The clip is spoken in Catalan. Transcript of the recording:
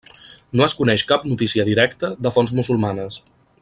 No es coneix cap notícia directa de fonts musulmanes.